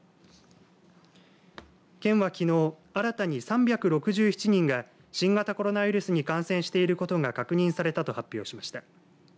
県は、きのう新たに３６７人が新型コロナウイルスに感染していることが確認されたと発表しました。